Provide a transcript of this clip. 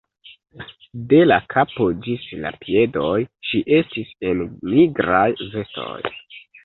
De la kapo ĝis la piedoj ŝi estis en nigraj vestoj.